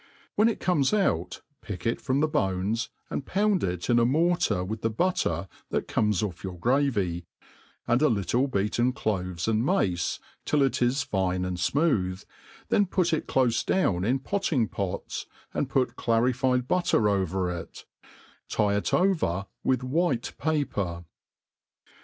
When it comes out, pick it from the 'bones, and ipound it in a mortar with the butter that comes ofFyour gravy, a^nd« little beateri cloves and mace, till it is fine and fmootfr, then pdt it clofe down in potting pets, and put clarified butter over it i tre it over with white paper.